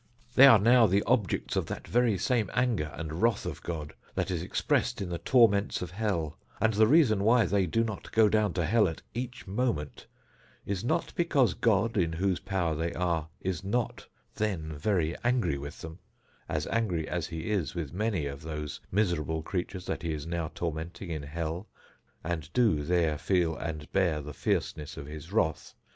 They are now the objects of that very same anger and wrath of God, that is expressed in the torments of hell: and the reason why they do not go down to hell at each moment, is not because God, in whose power they are, is not then very angry with them; as angry as He is with many of those miserable creatures that He is now tormenting in hell, and do there feel and bear the fierceness of His wrath.